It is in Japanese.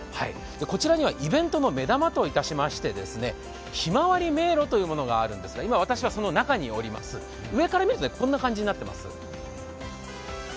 こちらにはイベントの目玉といたしまして、ひまわり迷路というものがあるんですが、今、私はその中におります上から見るとこんな感じになっています。